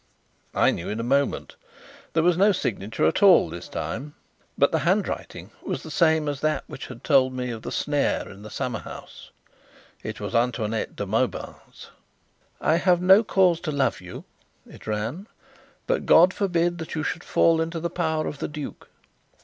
I knew in a moment. There was no signature at all this time, but the handwriting was the same as that which had told me of the snare in the summer house: it was Antoinette de Mauban's. "I have no cause to love you," it ran, "but God forbid that you should fall into the power of the duke.